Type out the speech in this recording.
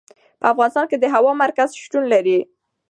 په افغانستان کې د هېواد مرکز شتون لري.